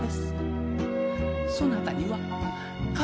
そなたには仇